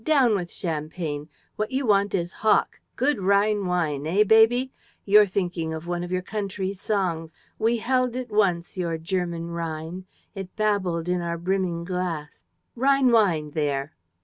Down with champagne! What you want is hock, good Rhine wine, eh, baby? You're thinking of one of your country's songs: 'We held it once, your German Rhine! It babbled in our brimming glass!' Rhine wine, there!"